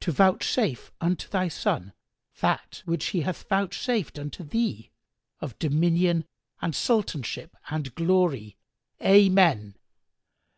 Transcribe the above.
to vouchsafe unto thy son that which He hath vouchsafed unto thee of dominion and Sultanship and glory! Amen."